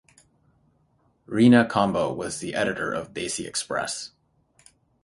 Reena Combo was the editor of "Desi Xpress".